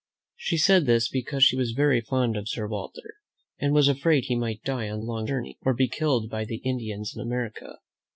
She said this because she was very fond of Sir Walter, and was afraid he might die on the long journey, or be killed by the Indians in America.